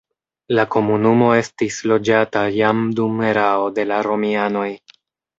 La komunumo estis loĝata jam dum erao de la romianoj.